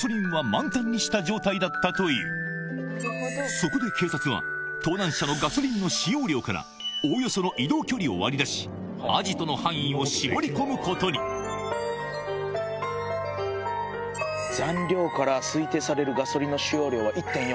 そこで警察は盗難車のガソリンの使用量からおおよその移動距離を割り出しアジトの範囲を絞り込むことに残量から推定されるガソリンの使用量は。